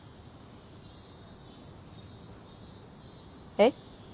えっ？